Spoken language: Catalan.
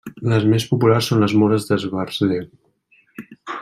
Les més populars són les móres d'esbarzer.